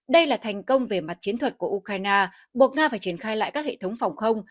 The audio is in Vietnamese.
đây là thành công về mặt chiến thuật của ukraine buộc nga phải triển khai lại các hệ thống phòng không